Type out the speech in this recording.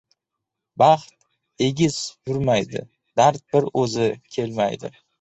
• Baxt egiz yurmaydi, dard bir o‘zi kelmaydi.